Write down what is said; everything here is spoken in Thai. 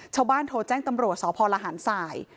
ชาวบ้านโทรแจ้งตำรวจสพลหารสาย